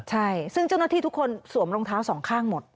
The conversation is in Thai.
ใช่ซึ่งเจ้าหน้าที่ทุกคนสวมรองเท้าสองข้างหมด